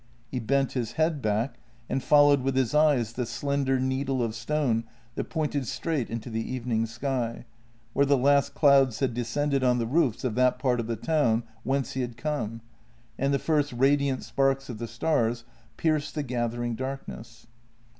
He bent his head back, and followed with his eyes the slender needle of stone that pointed straight into the evening sky, where the last clouds had de scended on the roofs of that part of the town whence he had come, and the first radiant sparks of the stars pierced the gath ering darkness.